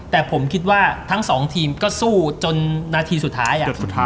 แต่ผมคิดว่าทั้งสองทีมก็สู้จนนาทีสุดท้าย